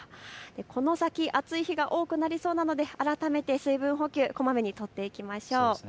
この先、暑い日が多くなりそうなので改めて水分補給、こまめにとっていきましょう。